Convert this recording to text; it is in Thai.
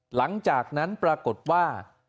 หลังจากนั้นปรากฏว่า